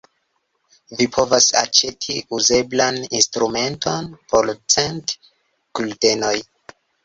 Vi povos aĉeti uzeblan instrumenton por cent guldenoj.